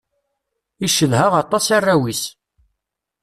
Icedha aṭas arraw-is.